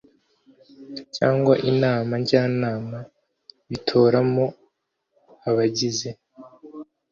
cyangwa inama njyanama bitoramo abagize